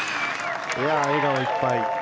笑顔いっぱい。